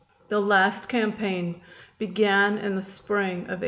The last campaign began in the spring of 1865.